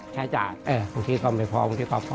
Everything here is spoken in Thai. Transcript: ใช้จ่ายบางทีก็ไม่พอบางทีก็พอ